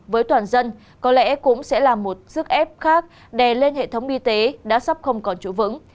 tất cả toàn dân có lẽ cũng sẽ là một sức ép khác đè lên hệ thống y tế đã sắp không còn chủ vững